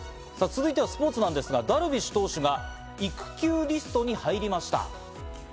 続いてはスポーツなんですが、ダルビッシュ投手が育休リストに入りました。